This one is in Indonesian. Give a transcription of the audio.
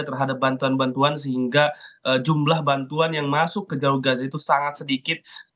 terhadap bantuan bantuan sehingga jumlah bantuan yang masuk ke jalur gaza itu sangat sedikit